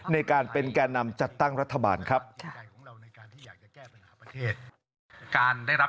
ในการเป็นแก่นำจัดตั้งรัฐบาลครับ